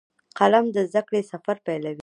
قلم د زده کړې سفر پیلوي